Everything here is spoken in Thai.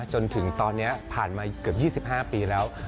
จนถึงตอนนี้ผ่านมาเกือบ๒๕ปีแล้ว